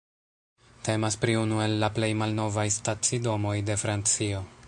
Temas pri unu el la plej malnovaj stacidomoj de Francio.